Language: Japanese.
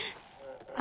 あ。